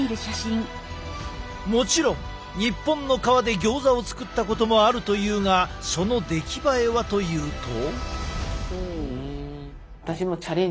もちろん日本の皮でギョーザを作ったこともあるというがその出来栄えはというと。